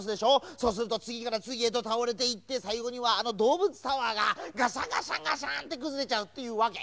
そうするとつぎからつぎへとたおれていってさいごにはあのどうぶつタワーがガシャンガシャンガシャンってくずれちゃうっていうわけ。